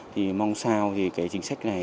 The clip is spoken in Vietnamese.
thì mong sao thì cái chính sách này